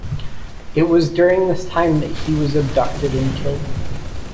It was during this time that he was abducted and killed.